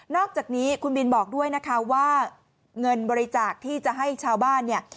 อกจากนี้คุณบินบอกด้วยนะคะว่าเงินบริจาคที่จะให้ชาวบ้านเนี่ย